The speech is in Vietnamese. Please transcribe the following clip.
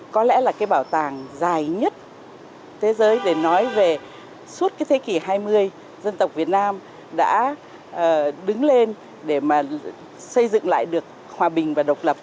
có lẽ là cái bảo tàng dài nhất thế giới để nói về suốt cái thế kỷ hai mươi dân tộc việt nam đã đứng lên để mà xây dựng lại được hòa bình và độc lập